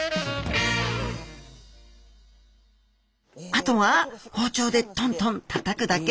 あとは包丁でトントン叩くだけ！